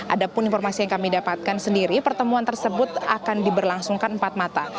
ada pun informasi yang kami dapatkan sendiri pertemuan tersebut akan diberlangsungkan empat mata